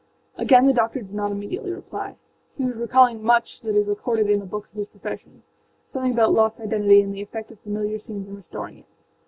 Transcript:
â Again the doctor did not immediately reply: he was recalling much that is recorded in the books of his professionâsomething about lost identity and the effect of familiar scenes in restoring it.